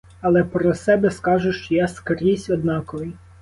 Але про себе скажу, що я скрізь однаковий.